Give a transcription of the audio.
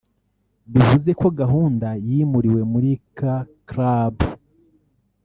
bivuze ko gahunda yimuriwe muri K Club